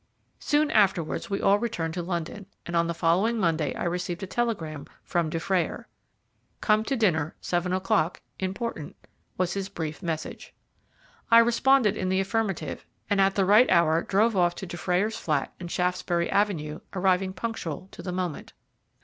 Soon afterwards we all returned to London, and on the following Monday I received a telegram from Dufrayer. "Come to dinner seven o'clock, important," was his brief message. I responded in the affirmative, and at the right hour drove off to Dufrayer's flat in Shaftesbury Avenue, arriving punctual to the moment.